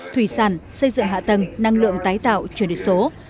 thủy sản xây dựng hạ tầng năng lượng tái tạo chuyển đổi số